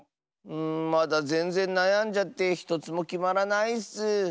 うんまだぜんぜんなやんじゃってひとつもきまらないッス。